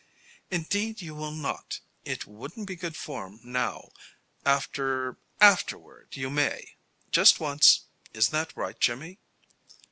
"Indeed, you will not. It wouldn't be good form now. After afterward, you may. Just once. Isn't that right, Jimmy?"